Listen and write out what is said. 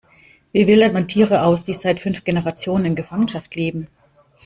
Wie wildert man Tiere aus, die seit fünf Generationen in Gefangenschaft leben?